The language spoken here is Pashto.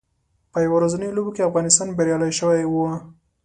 په یو ورځنیو لوبو کې افغانستان بریالی شوی و